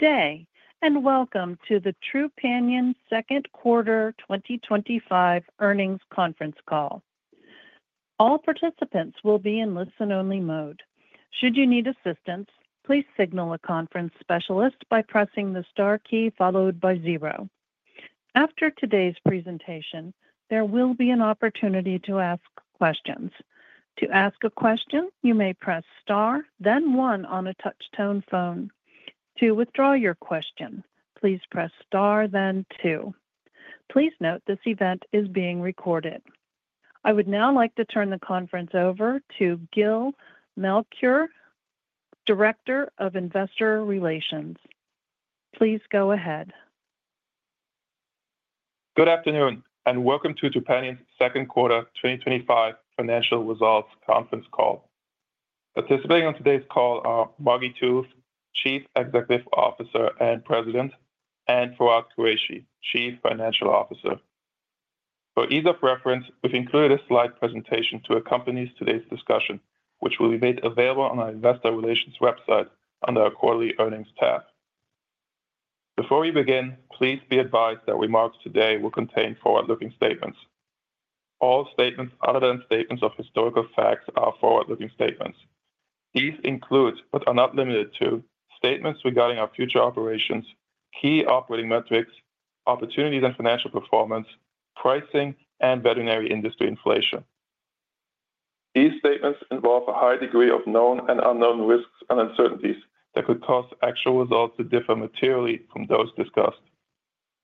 Today, and welcome to the Trupanion Second Quarter 2025 Earnings Conference Call. All participants will be in listen-only mode. Should you need assistance, please signal a conference specialist by pressing the star key followed by zero. After today's presentation, there will be an opportunity to ask questions. To ask a question, you may press star, then one on a touchtone phone. To withdraw your question, please press star, then two. Please note this event is being recorded. I would now like to turn the conference over to Gil Melchior, Director of Investor Relations. Please go ahead. Good afternoon, and welcome to Trupanion's Second Quarter 2025 Financial Results Conference Call. Participating on today's call are Margi Tooth, Chief Executive Officer and President, and Fawwad Qureshi, Chief Financial Officer. For ease of reference, we've included a slide presentation to accompany today's discussion, which will be made available on our Investor Relations website under our Quarterly Earnings tab. Before we begin, please be advised that remarks today will contain forward-looking statements. All statements other than statements of historical facts are forward-looking statements. These include, but are not limited to, statements regarding our future operations, key operating metrics, opportunities in financial performance, pricing, and veterinary industry inflation. These statements involve a high degree of known and unknown risks and uncertainties that could cause actual results to differ materially from those discussed.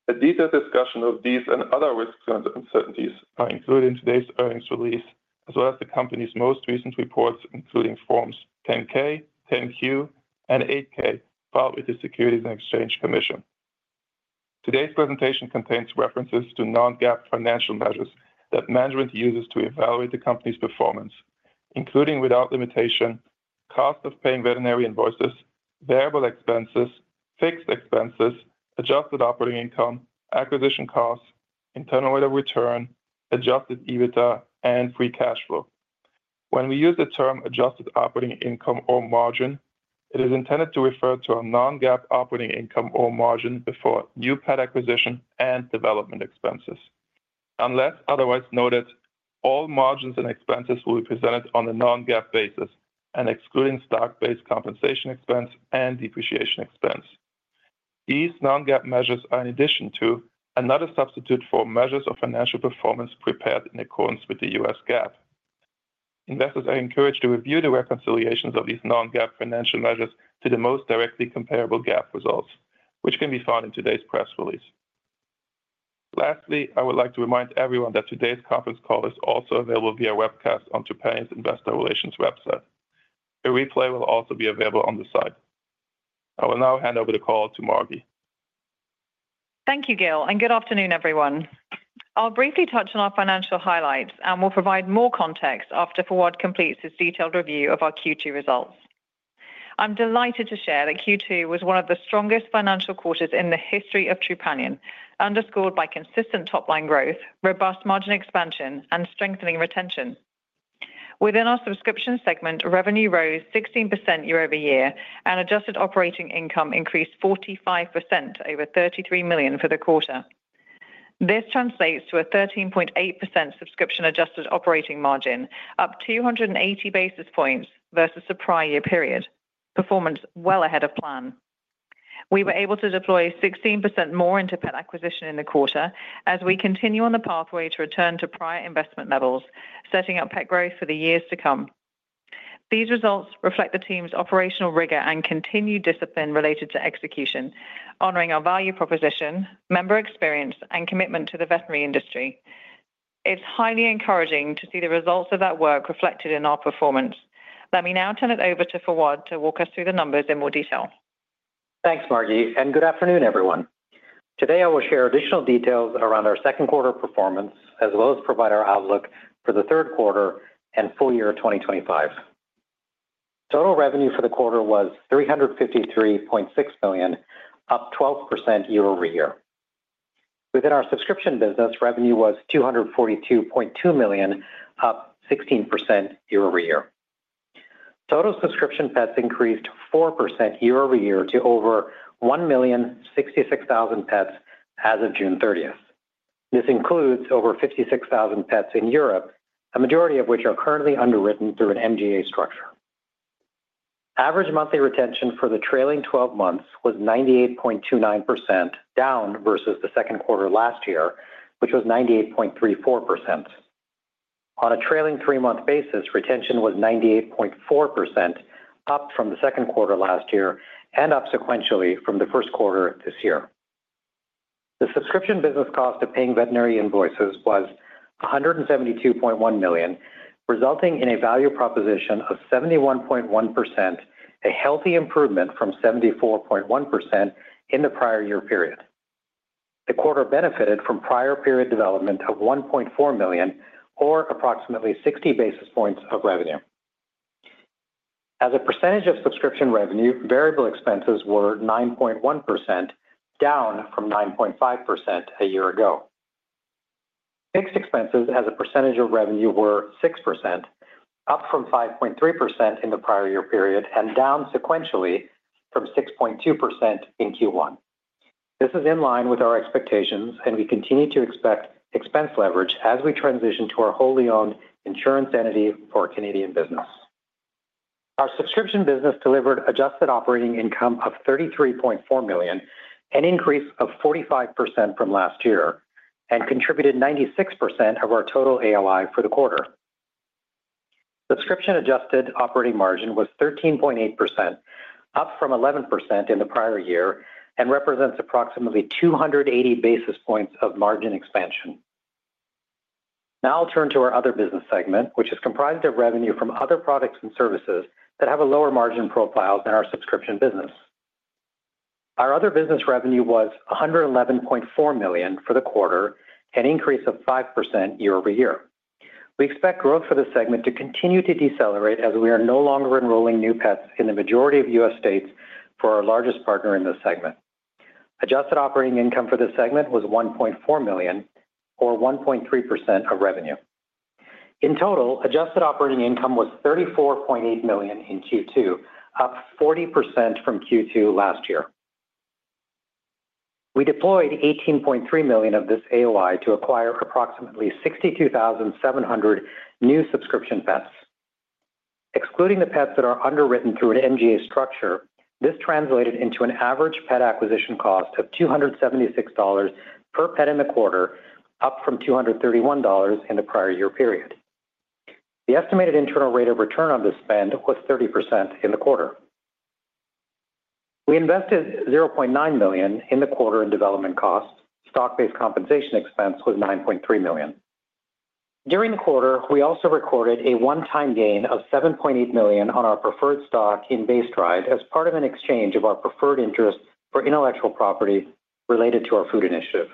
A detailed discussion of these and other risks and uncertainties is included in today's earnings release, as well as the company's most recent reports, including Forms 10-K, 10-Q, and 8-K, filed with the U.S. Securities and Exchange Commission. Today's presentation contains references to non-GAAP financial measures that management uses to evaluate the company's performance, including, without limitation, cost of paying veterinary invoices, variable expenses, fixed expenses, adjusted operating income, acquisition costs, internal rate of return, adjusted EBITDA, and free cash flow. When we use the term "adjusted operating income" or "margin," it is intended to refer to a non-GAAP operating income or margin before new pet acquisition and development expenses. Unless otherwise noted, all margins and expenses will be presented on a non-GAAP basis, and excluding stock-based compensation expense and depreciation expense. These non-GAAP measures are in addition to, not a substitute for, measures of financial performance prepared in accordance with U.S. GAAP. Investors are encouraged to review the reconciliations of these non-GAAP financial measures to the most directly comparable GAAP results, which can be found in today's press release. Lastly, I would like to remind everyone that today's conference call is also available via webcast on Trupanion's Investor Relations website. A replay will also be available on the site. I will now hand over the call to Margi. Thank you, Gil, and good afternoon, everyone. I'll briefly touch on our financial highlights and will provide more context after Fawwad completes his detailed review of our Q2 results. I'm delighted to share that Q2 was one of the strongest financial quarters in the history of Trupanion, underscored by consistent top-line growth, robust margin expansion, and strengthening retention. Within our subscription segment, revenue rose 16% year-over-year and adjusted operating income increased 45%, over $33 million for the quarter. This translates to a 13.8% subscription adjusted operating margin, up 280 basis points versus the prior year period, performance well ahead of plan. We were able to deploy 16% more into pet acquisition in the quarter, as we continue on the pathway to return to prior investment levels, setting up pet growth for the years to come. These results reflect the team's operational rigor and continued discipline related to execution, honoring our value proposition, member experience, and commitment to the veterinary industry. It's highly encouraging to see the results of that work reflected in our performance. Let me now turn it over to Fawwad to walk us through the numbers in more detail. Thanks, Margi, and good afternoon, everyone. Today, I will share additional details around our second quarter performance, as well as provide our outlook for the third quarter and full year 2025. Total revenue for the quarter was $353.6 million, up 12% year-over-year. Within our subscription business, revenue was $242.2 million, up 16% year-over-year. Total subscription pets increased 4% year-over-year to over 1,066,000 pets as of June 30. This includes over 56,000 pets in Europe, a majority of which are currently underwritten through an MGA structure. Average monthly retention for the trailing 12 months was 98.29%, down versus the second quarter last year, which was 98.34%. On a trailing 3-month basis, retention was 98.4%, up from the second quarter last year and up sequentially from the first quarter this year. The subscription business cost of paying veterinary invoices was $172.1 million, resulting in a value proposition of 71.1%, a healthy improvement from 74.1% in the prior year period. The quarter benefited from prior period development of $1.4 million, or approximately 60 basis points of revenue. As a percentage of subscription revenue, variable expenses were 9.1%, down from 9.5% a year ago. Fixed expenses, as a percentage of revenue, were 6%, up from 5.3% in the prior year period and down sequentially from 6.2% in Q1. This is in line with our expectations, and we continue to expect expense leverage as we transition to our wholly owned insurance entity for Canadian business. Our subscription business delivered adjusted operating income of $33.4 million, an increase of 45% from last year, and contributed 96% of our total ALI for the quarter. Subscription adjusted operating margin was 13.8%, up from 11% in the prior year, and represents approximately 280 basis points of margin expansion. Now I'll turn to our other business segment, which is comprised of revenue from other products and services that have a lower margin profile than our subscription business. Our other business revenue was $111.4 million for the quarter, an increase of 5% year-over-year. We expect growth for this segment to continue to decelerate as we are no longer enrolling new pets in the majority of U.S. states for our largest partner in this segment. Adjusted operating income for this segment was $1.4 million, or 1.3% of revenue. In total, adjusted operating income was $34.8 million in Q2, up 40% from Q2 last year. We deployed $18.3 million of this AOI to acquire approximately 62,700 new subscription pets. Excluding the pets that are underwritten through an MGA structure, this translated into an average pet acquisition cost of $276 per pet in the quarter, up from $231 in the prior year period. The estimated internal rate of return on this spend was 30% in the quarter. We invested $0.9 million in the quarter in development costs. Stock-based compensation expense was $9.3 million. During the quarter, we also recorded a one-time gain of $7.8 million on our preferred stock in BESTRIDE as part of an exchange of our preferred interest for intellectual property related to our food initiative.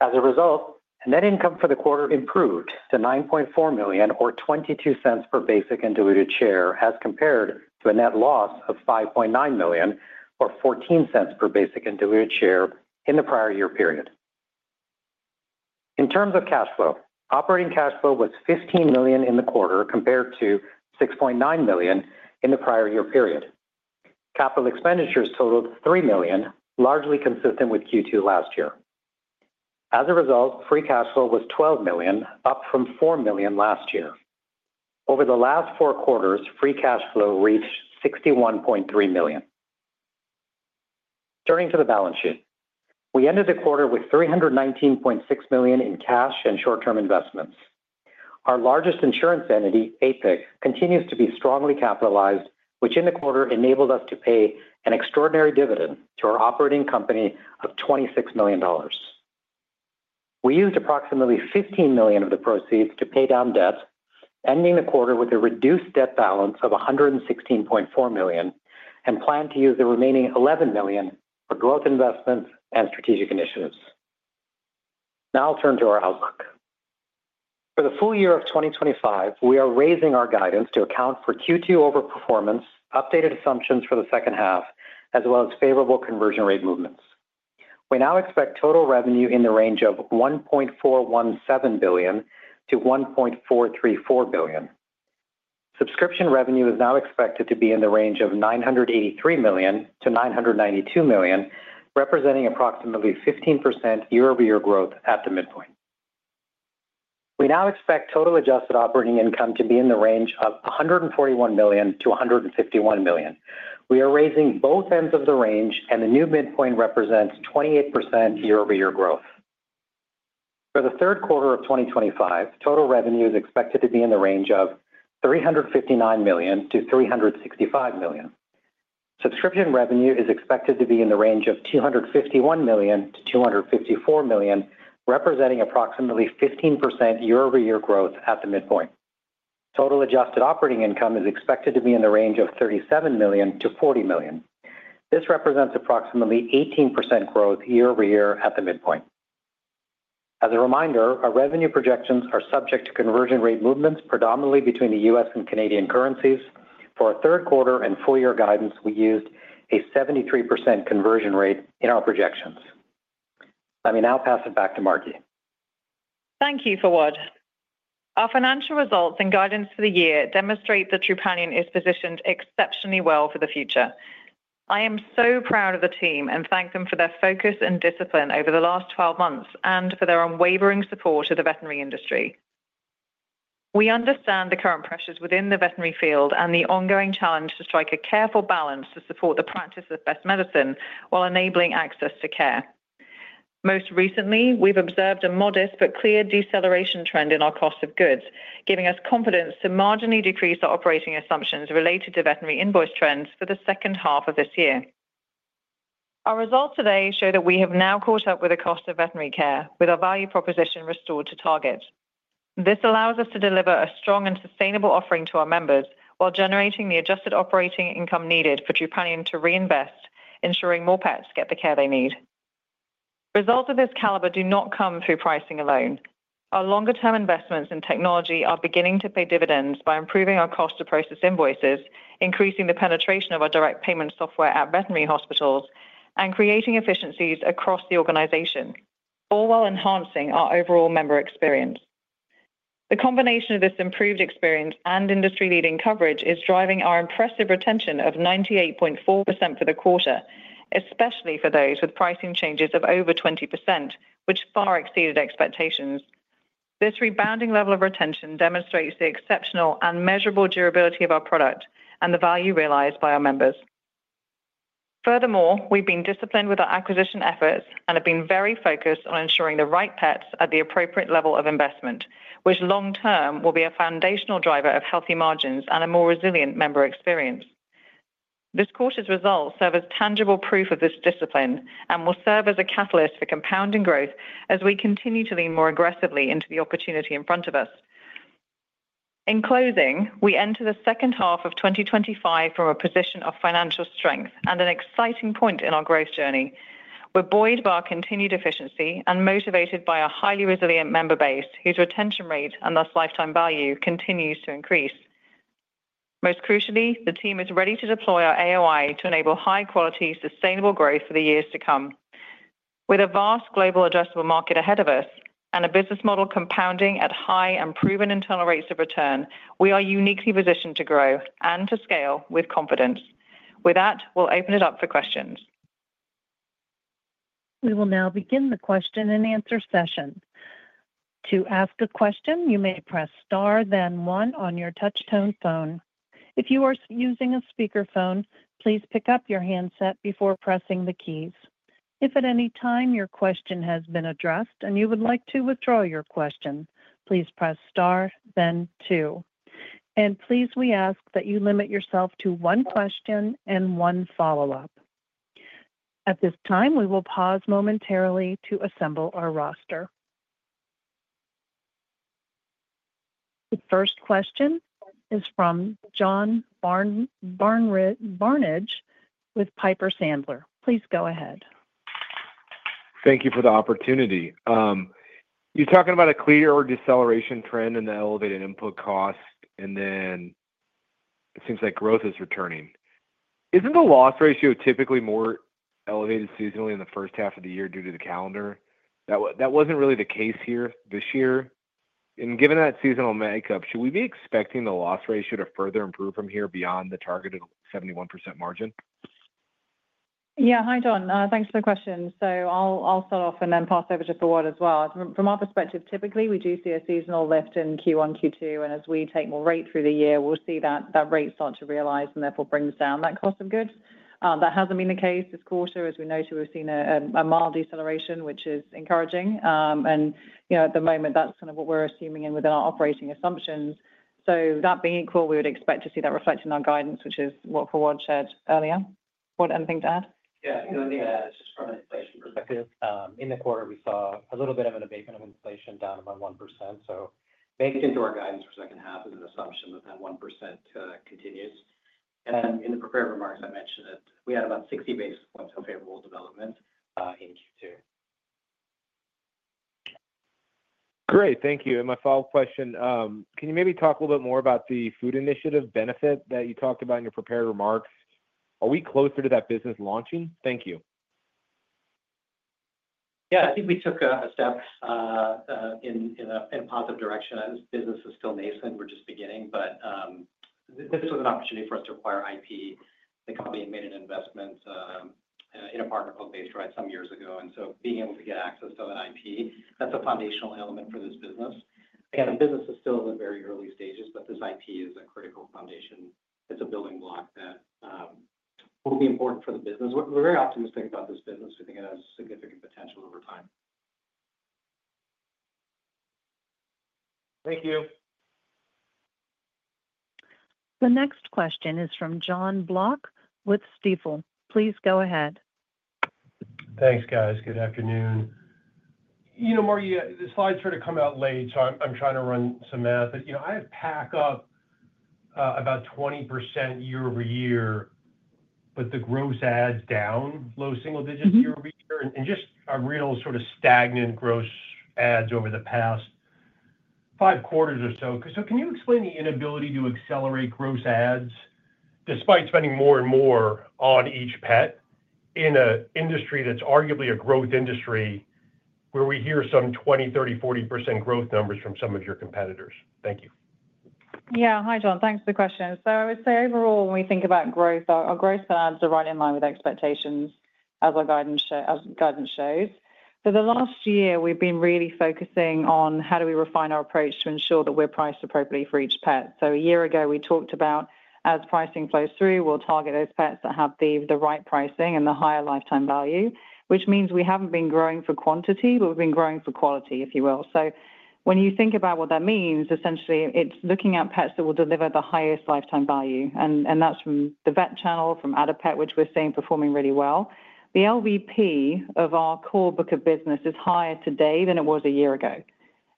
As a result, net income for the quarter improved to $9.4 million, or $0.22 per basic and diluted share, as compared to a net loss of $5.9 million, or $0.14 per basic and diluted share in the prior year period. In terms of cash flow, operating cash flow was $15 million in the quarter compared to $6.9 million in the prior year period. Capital expenditures totaled $3 million, largely consistent with Q2 last year. As a result, free cash flow was $12 million, up from $4 million last year. Over the last four quarters, free cash flow reached $61.3 million. Turning to the balance sheet, we ended the quarter with $319.6 million in cash and short-term investments. Our largest insurance entity, APIC, continues to be strongly capitalized, which in the quarter enabled us to pay an extraordinary dividend to our operating company of $26 million. We used approximately $15 million of the proceeds to pay down debt, ending the quarter with a reduced debt balance of $116.4 million and plan to use the remaining $11 million for growth investments and strategic initiatives. Now I'll turn to our outlook. For the full year of 2025, we are raising our guidance to account for Q2 overperformance, updated assumptions for the second half, as well as favorable conversion rate movements. We now expect total revenue in the range of $1.417 billion-$1.434 billion. Subscription revenue is now expected to be in the range of $983 million-$992 million, representing approximately 15% year-over-year growth at the midpoint. We now expect total adjusted operating income to be in the range of $141 million-$151 million. We are raising both ends of the range, and the new midpoint represents 28% year-over-year growth. For the third quarter of 2025, total revenue is expected to be in the range of $359 million-$365 million. Subscription revenue is expected to be in the range of $251 million-$254 million, representing approximately 15% year-over-year growth at the midpoint. Total adjusted operating income is expected to be in the range of $37 million-$40 million. This represents approximately 18% growth year-over-year at the midpoint. As a reminder, our revenue projections are subject to conversion rate movements predominantly between the U.S. and Canadian currencies. For our third quarter and full year guidance, we used a 73% conversion rate in our projections. Let me now pass it back to Margi. Thank you, Fawwad. Our financial results and guidance for the year demonstrate that Trupanion is positioned exceptionally well for the future. I am so proud of the team and thank them for their focus and discipline over the last 12 months and for their unwavering support of the veterinary industry. We understand the current pressures within the veterinary field and the ongoing challenge to strike a careful balance to support the practice of best medicine while enabling access to care. Most recently, we've observed a modest but clear deceleration trend in our cost of goods, giving us confidence to marginally decrease our operating assumptions related to veterinary invoice trends for the second half of this year. Our results today show that we have now caught up with the cost of veterinary care, with our value proposition restored to target. This allows us to deliver a strong and sustainable offering to our members while generating the adjusted operating income needed for Trupanion to reinvest, ensuring more pets get the care they need. Results of this caliber do not come through pricing alone. Our longer-term investments in technology are beginning to pay dividends by improving our cost of process invoices, increasing the penetration of our direct payment software at veterinary hospitals, and creating efficiencies across the organization, all while enhancing our overall member experience. The combination of this improved experience and industry-leading coverage is driving our impressive retention of 98.4% for the quarter, especially for those with pricing changes of over 20%, which far exceeded expectations. This rebounding level of retention demonstrates the exceptional and measurable durability of our product and the value realized by our members. Furthermore, we've been disciplined with our acquisition efforts and have been very focused on ensuring the right pets at the appropriate level of investment, which long-term will be a foundational driver of healthy margins and a more resilient member experience. This quarter's results serve as tangible proof of this discipline and will serve as a catalyst for compounding growth as we continue to lean more aggressively into the opportunity in front of us. In closing, we enter the second half of 2025 from a position of financial strength and an exciting point in our growth journey. We're buoyed by our continued efficiency and motivated by a highly resilient member base whose retention rate and thus lifetime value continues to increase. Most crucially, the team is ready to deploy our AOI to enable high-quality, sustainable growth for the years to come. With a vast global addressable market ahead of us and a business model compounding at high and proven internal rates of return, we are uniquely positioned to grow and to scale with confidence. With that, we'll open it up for questions. We will now begin the question and answer session. To ask a question, you may press star then one on your touchtone phone. If you are using a speakerphone, please pick up your handset before pressing the keys. If at any time your question has been addressed and you would like to withdraw your question, please press star then two. Please, we ask that you limit yourself to one question and one follow-up. At this time, we will pause momentarily to assemble our roster. The first question is from John Barnidge with Piper Sandler. Please go ahead. Thank you for the opportunity. You're talking about a clear deceleration trend in the elevated input cost, and then it seems like growth is returning. Isn't the loss ratio typically more elevated seasonally in the first half of the year due to the calendar? That wasn't really the case here this year. Given that seasonal makeup, should we be expecting the loss ratio to further improve from here beyond the targeted 71% margin? Yeah, hi John. Thanks for the question. I'll start off and then pass over to Fawwad as well. From our perspective, typically we do see a seasonal lift in Q1 and Q2, and as we take more rate through the year, we'll see that rate start to realize and therefore bring down that cost of goods. That hasn't been the case this quarter. As we noted, we've seen a mild deceleration, which is encouraging. At the moment, that's kind of what we're assuming within our operating assumptions. That being equal, we would expect to see that reflected in our guidance, which is what Fawwad shared earlier. Anything to add? Yeah, the only thing to add is just from an inflation perspective, in the quarter we saw a little bit of an abatement of inflation down about 1%. Baked into our guidance for the second half is an assumption that that 1% continues. In the prepared remarks, I mentioned that we had about 60 basis points of favorable development in Q2. Great, thank you. My follow-up question, can you maybe talk a little bit more about the food initiative benefit that you talked about in your prepared remarks? Are we closer to that business launching? Thank you. Yeah, I think we took a step in a positive direction. This business is still nascent. We're just beginning. This was an opportunity for us to acquire IP. The company had made an investment in a partner called BESTRIDE some years ago. Being able to get access to that IP, that's a foundational element for this business. The business is still in the very early stages, but this IP is a critical foundation. It's a building block that will be important for the business. We're very optimistic about this business. We think it has significant potential over time. Thank you. The next question is from Jon Block with Stifel. Please go ahead. Thanks, guys. Good afternoon. Margi, the slides sort of come out late, so I'm trying to run some math. I have pack up about 20% year-over-year, but the gross adds down low single digits year-over-year, and just a real sort of stagnant gross adds over the past five quarters or so. Can you explain the inability to accelerate gross adds despite spending more and more on each pet in an industry that's arguably a growth industry where we hear some 20%, 30%, 40% growth numbers from some of your competitors? Thank you. Yeah, hi Jon. Thanks for the question. I would say overall, when we think about growth, our gross adds are right in line with expectations as our guidance shows. For the last year, we've been really focusing on how do we refine our approach to ensure that we're priced appropriately for each pet. A year ago, we talked about as pricing flows through, we'll target those pets that have the right pricing and the higher lifetime value, which means we haven't been growing for quantity, but we've been growing for quality, if you will. When you think about what that means, essentially, it's looking at pets that will deliver the highest lifetime value. That's from the vet channel, from Adapet, which we're seeing performing really well. The LVP of our core book of business is higher today than it was a year ago.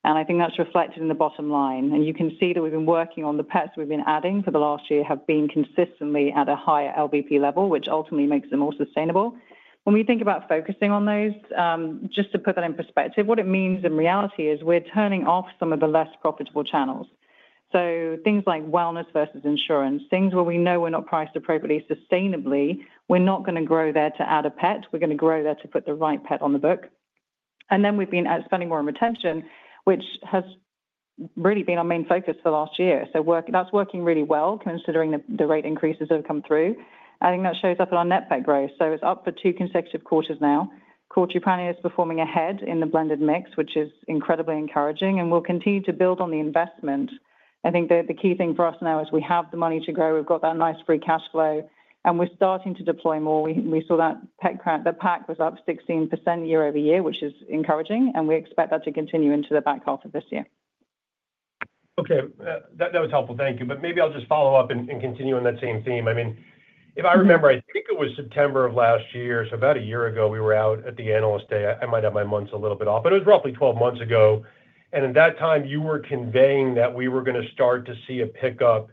I think that's reflected in the bottom line. You can see that we've been working on the pets we've been adding for the last year have been consistently at a higher LVP level, which ultimately makes them more sustainable. When we think about focusing on those, just to put that in perspective, what it means in reality is we're turning off some of the less profitable channels. Things like wellness versus insurance, things where we know we're not priced appropriately sustainably, we're not going to grow there to add a pet. We're going to grow there to put the right pet on the book. We've been spending more on retention, which has really been our main focus for the last year. That's working really well, considering the rate increases that have come through. I think that shows up in our net pet growth. It's up for two consecutive quarters now. Trupanion is performing ahead in the blended mix, which is incredibly encouraging. We'll continue to build on the investment. I think the key thing for us now is we have the money to grow. We've got that nice free cash flow. We're starting to deploy more. We saw that pet crack, the pack was up 16% year-over-year, which is encouraging. We expect that to continue into the back half of this year. Okay, that was helpful. Thank you. Maybe I'll just follow up and continue on that same theme. I mean, if I remember, I think it was September of last year, so about a year ago, we were out at the analyst day. I might have my months a little bit off, but it was roughly 12 months ago. At that time, you were conveying that we were going to start to see a pickup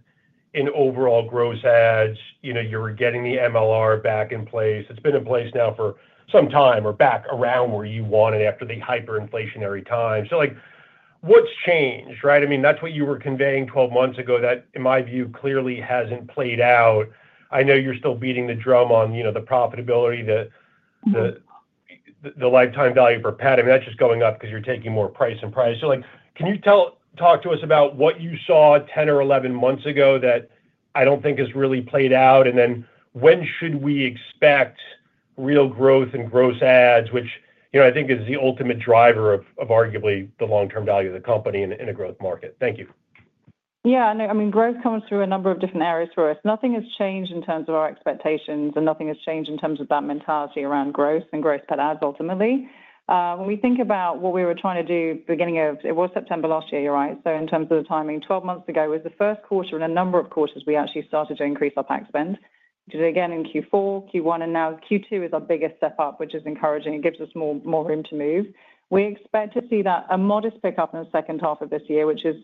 in overall gross adds. You were getting the MLR back in place. It's been in place now for some time or back around where you wanted after the hyperinflationary times. What's changed, right? I mean, that's what you were conveying 12 months ago that, in my view, clearly hasn't played out. I know you're still beating the drum on the profitability, the lifetime value per pet. I mean, that's just going up because you're taking more price and price. Can you talk to us about what you saw 10 or 11 months ago that I don't think has really played out? When should we expect real growth in gross adds, which I think is the ultimate driver of arguably the long-term value of the company in a growth market? Thank you. Yeah, and I mean, growth comes through a number of different areas for us. Nothing has changed in terms of our expectations, and nothing has changed in terms of that mentality around growth and gross pet adds ultimately. When we think about what we were trying to do at the beginning of, it was September last year, you're right. In terms of the timing, 12 months ago was the first quarter in a number of quarters we actually started to increase our pack spend. We did it again in Q4, Q1, and now Q2 is our biggest step up, which is encouraging. It gives us more room to move. We expect to see that a modest pickup in the second half of this year, which is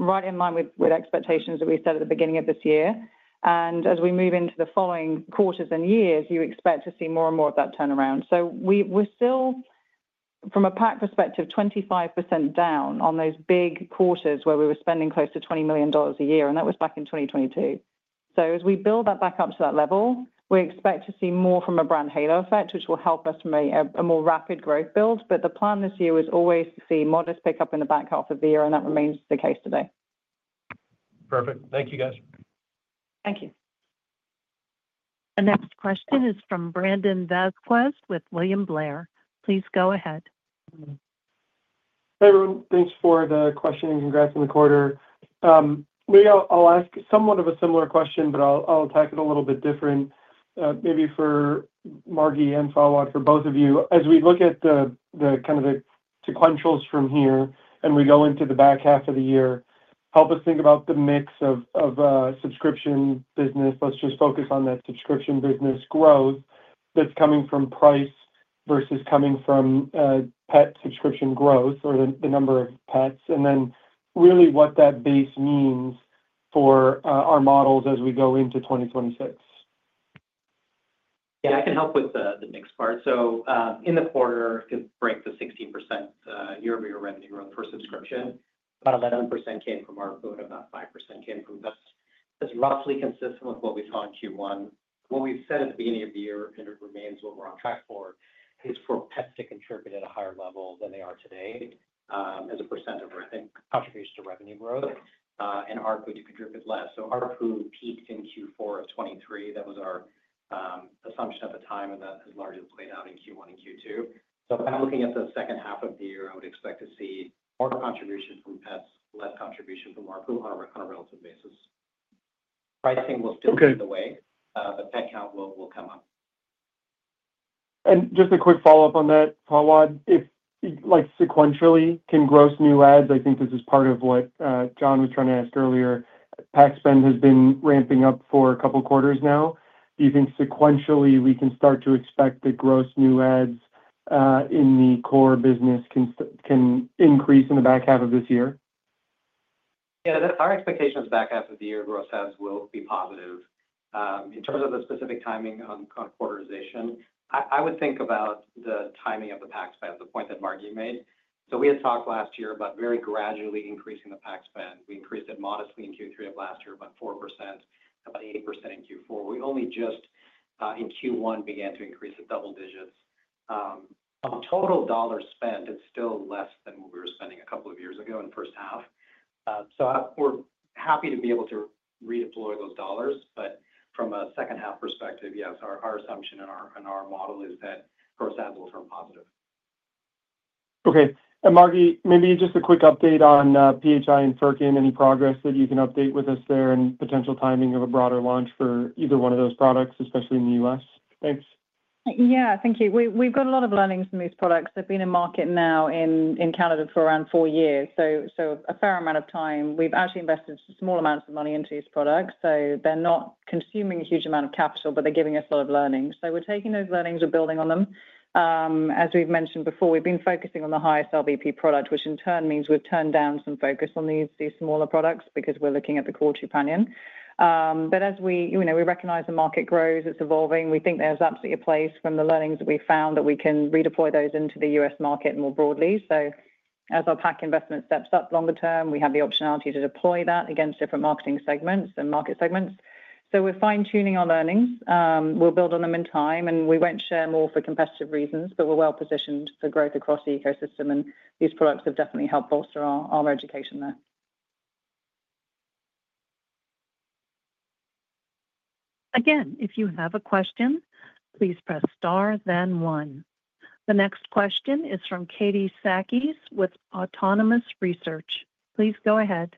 right in line with expectations that we set at the beginning of this year. As we move into the following quarters and years, you expect to see more and more of that turnaround. We're still, from a pack perspective, 25% down on those big quarters where we were spending close to $20 million a year, and that was back in 2022. As we build that back up to that level, we expect to see more from a brand halo effect, which will help us make a more rapid growth build. The plan this year was always to see modest pickup in the back half of the year, and that remains the case today. Perfect. Thank you, guys. Thank you. The next question is from Brandon Vazquez with William Blair. Please go ahead. Hey everyone, thanks for the question and congrats on the quarter. Maybe I'll ask somewhat of a similar question, but I'll attack it a little bit different. Maybe for Margi and Fawwad, for both of you, as we look at the kind of the sequentials from here and we go into the back half of the year, help us think about the mix of subscription business. Let's just focus on that subscription business growth that's coming from price versus coming from pet subscription growth or the number of pets, and then really what that base means for our models as we go into 2026. Yeah, I can help with the mix part. In the quarter, it breaks the 16% year-over-year revenue growth for subscription. About 11% came from our quota, about 5% came from this. It's roughly consistent with what we saw in Q1. What we've said at the beginning of the year, and it remains what we're on track for, is for pets to contribute at a higher level than they are today as a percent of contributions to revenue growth, and ARPU to contribute less. ARPU peaked in Q4 of 2023. That was our assumption at the time, and that has largely played out in Q1 and Q2. Looking at the second half of the year, I would expect to see ARPU contributions from pets, less contributions from ARPU on a relative basis. Pricing will still pave the way. The pet count will come up. Just a quick follow-up on that, Fawwad. If, like, sequentially, can gross new adds—I think this is part of what John was trying to ask earlier—pack spend has been ramping up for a couple of quarters now. Do you think sequentially we can start to expect the gross new adds in the core business can increase in the back half of this year? Yeah, that's our expectation in the back half of the year. Gross adds will be positive. In terms of the specific timing on quarterization, I would think about the timing of the pack spend, the point that Margi made. We had talked last year about very gradually increasing the pack spend. We increased it modestly in Q3 of last year, about 4%, about 8% in Q4. We only just, in Q1, began to increase it double digits. Total dollar spend is still less than what we were spending a couple of years ago in the first half. We're happy to be able to redeploy those dollars. From a second half perspective, yes, our assumption and our model is that gross adds will turn positive. Okay. Margi, maybe just a quick update on PHI and Firkin, any progress that you can update with us there and potential timing of a broader launch for either one of those products, especially in the U.S.? Thanks. Yeah, thank you. We've got a lot of learnings from these products. They've been in market now in Canada for around four years, so a fair amount of time. We've actually invested small amounts of money into these products, so they're not consuming a huge amount of capital, but they're giving us a lot of learnings. We're taking those learnings and building on them. As we've mentioned before, we've been focusing on the highest LVP product, which in turn means we've turned down some focus on these smaller products because we're looking at the core Trupanion. We recognize the market grows, it's evolving. We think there's absolutely a place from the learnings that we found that we can redeploy those into the U.S. market more broadly. As our pack investment steps up longer term, we have the optionality to deploy that against different marketing segments and market segments. We're fine-tuning our learnings and will build on them in time, and we won't share more for competitive reasons, but we're well positioned for growth across the ecosystem, and these products have definitely helped bolster our education there. Again, if you have a question, please press star then one. The next question is from Katie Sakys with Autonomous Research. Please go ahead.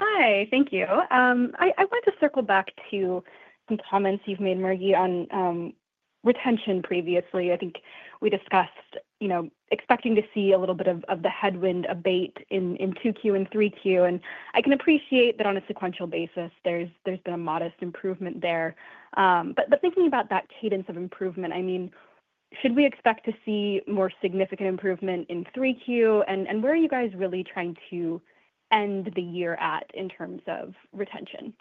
Hi, thank you. I want to circle back to some comments you've made, Margi, on retention previously. I think we discussed expecting to see a little bit of the headwind abate in 2Q and 3Q, and I can appreciate that on a sequential basis, there's been a modest improvement there. Thinking about that cadence of improvement, should we expect to see more significant improvement in 3Q, and where are you guys really trying to end the year at in terms of retention?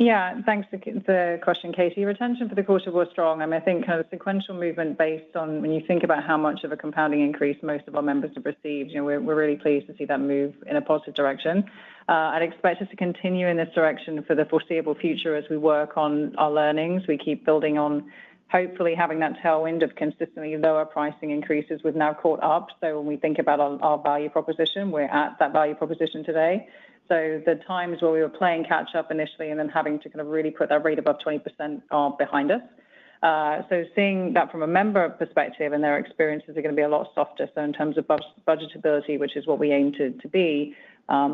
Yeah, thanks for the question, Katie. Retention for the quarter was strong, and I think kind of sequential movement based on when you think about how much of a compounding increase most of our members have received, we're really pleased to see that move in a positive direction. I'd expect us to continue in this direction for the foreseeable future as we work on our learnings. We keep building on hopefully having that tailwind of consistently lower pricing increases we've now caught up. When we think about our value proposition, we're at that value proposition today. The times where we were playing catch-up initially and then having to really put that rate above 20% are behind us. Seeing that from a member perspective and their experiences are going to be a lot softer. In terms of budgetability, which is what we aim to be,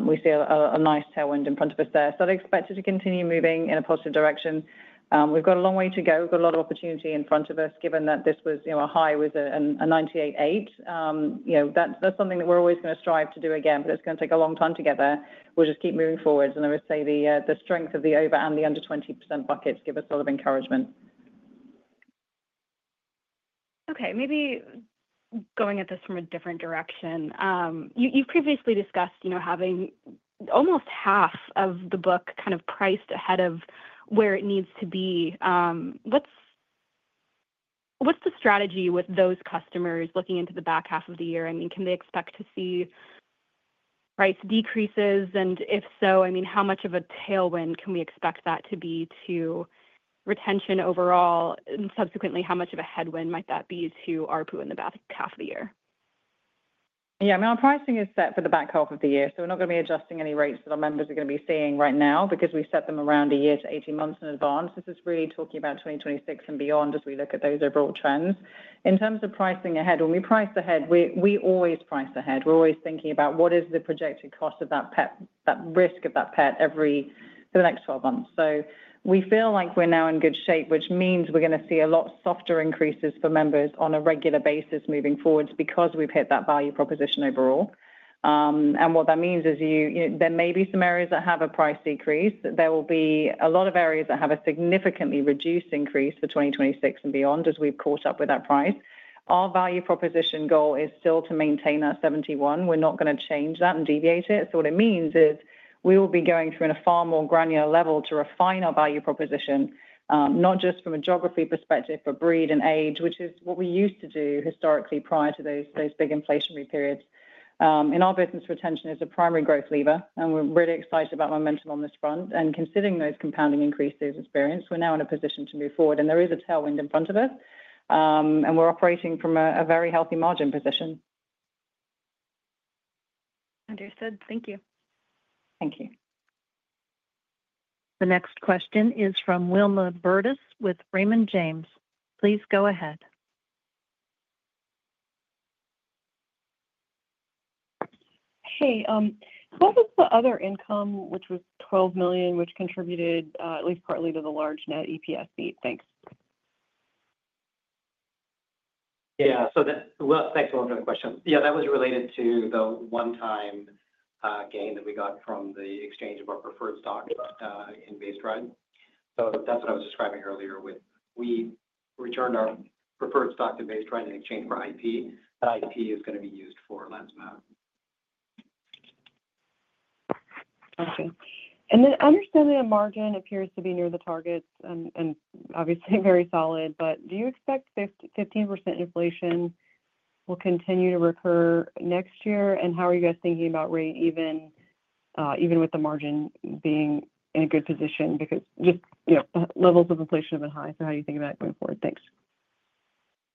we see a nice tailwind in front of us there. I'd expect it to continue moving in a positive direction. We've got a long way to go. We've got a lot of opportunity in front of us, given that this was a high with a 98.8%. That's something that we're always going to strive to do again, but it's going to take a long time to get there. We'll just keep moving forwards. I would say the strength of the over and the under 20% buckets give us a lot of encouragement. Okay, maybe going at this from a different direction, you've previously discussed, you know, having almost half of the book kind of priced ahead of where it needs to be. What's the strategy with those customers looking into the back half of the year? I mean, can they expect to see price decreases? If so, I mean, how much of a tailwind can we expect that to be to retention overall? Subsequently, how much of a headwind might that be to ARPU in the back half of the year? Yeah, I mean, our pricing is set for the back half of the year. We're not going to be adjusting any rates that our members are going to be seeing right now because we set them around a year to 18 months in advance. This is really talking about 2026 and beyond as we look at those overall trends. In terms of pricing ahead, when we price ahead, we always price ahead. We're always thinking about what is the projected cost of that pet, that risk of that pet every for the next 12 months. We feel like we're now in good shape, which means we're going to see a lot softer increases for members on a regular basis moving forwards because we've hit that value proposition overall. What that means is, you know, there may be some areas that have a price decrease. There will be a lot of areas that have a significantly reduced increase for 2026 and beyond as we've caught up with that price. Our value proposition goal is still to maintain that 71%. We're not going to change that and deviate it. What it means is we will be going through in a far more granular level to refine our value proposition, not just from a geography perspective, but breed and age, which is what we used to do historically prior to those big inflationary periods. In our business, retention is a primary growth lever, and we're really excited about momentum on this front. Considering those compounding increases experience, we're now in a position to move forward. There is a tailwind in front of us, and we're operating from a very healthy margin position. Understood. Thank you. Thank you. The next question is from Wilma Burdis with Raymond James. Please go ahead. Hey, what was the other income, which was $12 million, which contributed at least partly to the large net EPS feed? Thanks. Yeah, thanks a lot for that question. That was related to the one-time gain that we got from the exchange of our preferred stock in BESTRIDE. That's what I was describing earlier with we returned our preferred stock to BESTRIDE in exchange for IP. That IP is going to be used for lands. Perfect. Understanding a margin appears to be near the targets and obviously very solid, do you expect 15% inflation will continue to recur next year? How are you guys thinking about rate even with the margin being in a good position? The levels of inflation have been high. How do you think about that going forward? Thanks.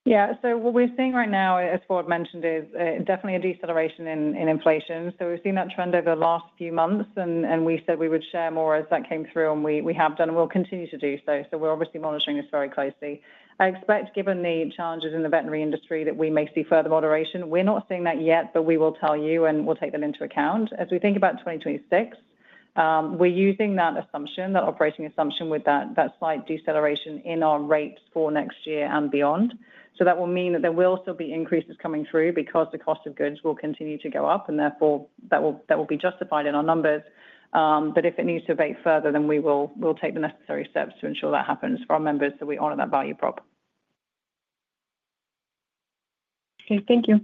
Yeah, what we're seeing right now, as Fawwad mentioned, is definitely a deceleration in inflation. We've seen that trend over the last few months, and we said we would share more as that came through, and we have done and will continue to do so. We're obviously monitoring this very closely. I expect, given the challenges in the veterinary industry, that we may see further moderation. We're not seeing that yet, but we will tell you, and we'll take that into account. As we think about 2026, we're using that assumption, that operating assumption, with that slight deceleration in our rates for next year and beyond. That will mean that there will still be increases coming through because the cost of goods will continue to go up, and therefore that will be justified in our numbers. If it needs to abate further, then we will take the necessary steps to ensure that happens for our members so we honor that value prop. Okay, thank you.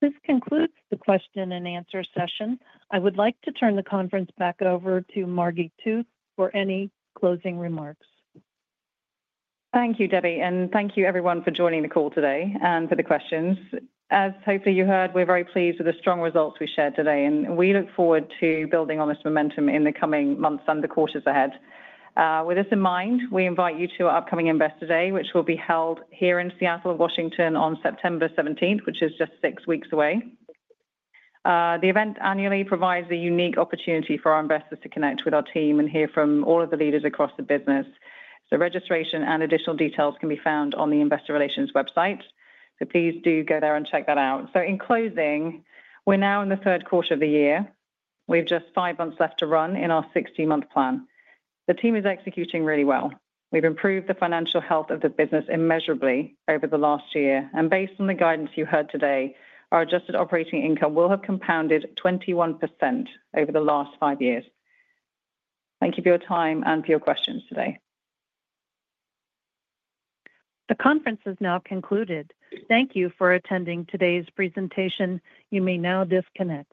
This concludes the question and answer session. I would like to turn the conference back over to Margi Tooth for any closing remarks. Thank you, Debbie, and thank you everyone for joining the call today and for the questions. As hopefully you heard, we're very pleased with the strong results we shared today, and we look forward to building on this momentum in the coming months and the quarters ahead. With this in mind, we invite you to our upcoming Investor Day, which will be held here in Seattle, Washington on September 17, which is just six weeks away. The event annually provides a unique opportunity for our investors to connect with our team and hear from all of the leaders across the business. Registration and additional details can be found on the Investor Relations website. Please do go there and check that out. In closing, we're now in the third quarter of the year. We've just five months left to run in our 60-month plan. The team is executing really well. We've improved the financial health of the business immeasurably over the last year, and based on the guidance you heard today, our adjusted operating income will have compounded 21% over the last five years. Thank you for your time and for your questions today. The conference is now concluded. Thank you for attending today's presentation. You may now disconnect.